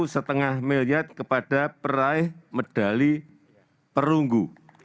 rp satu lima miliar kepada peraih medali perunggu